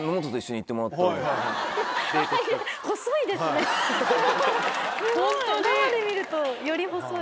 すごい生で見るとより細い。